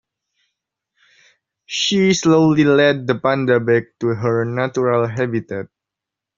She slowly led the panda back to her natural habitat.